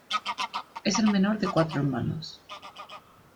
Es el menor de cuatro hermanos.